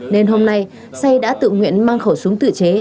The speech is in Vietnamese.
nên hôm nay say đã tự nguyện mang khẩu súng tự chế